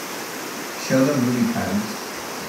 show the movie times